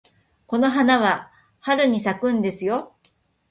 この花は春に咲くんですよ。